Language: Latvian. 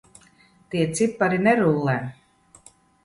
Tie cipari nerullē.